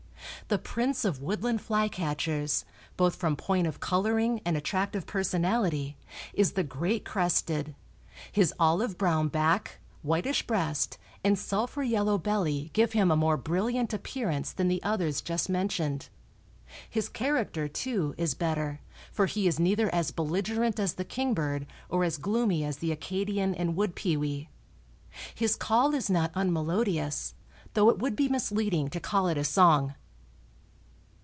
The prince of woodland flycatchers, both from point of coloring and attractive personality, is the great crested; his olive brown back, whitish breast and sulphur yellow belly give him a more brilliant appearance than the others just mentioned. His character, too, is better, for he is neither as belligerent as the kingbird or as gloomy as the Acadian and wood pewee. His call is not unmelodious, though it would be misleading to call it a song.